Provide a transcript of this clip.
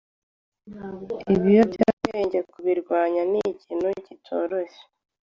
Ibiyobyabwenge kubirwanya nikintu kitoroshye